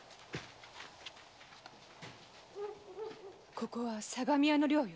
ここは相模屋の寮よ。